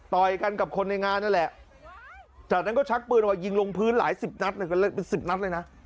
ต่อยกันกับคนในงานนั่นแหละจากนั้นก็ชักปืนว่ายิงลงพื้นหลายสิบนัทเลย